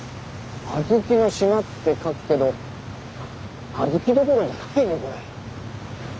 小豆の島って書くけど小豆どころじゃないねこれ。